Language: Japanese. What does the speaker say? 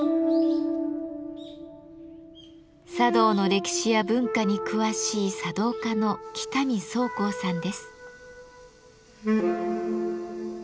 茶道の歴史や文化に詳しい茶道家の北見宗幸さんです。